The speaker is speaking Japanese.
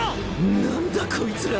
何だこいつら！